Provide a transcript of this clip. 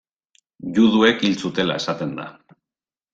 Juduek hil zutela esaten da.